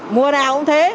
mùa nào cũng thế